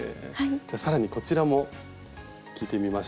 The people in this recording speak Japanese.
じゃあ更にこちらも聞いてみましょうか。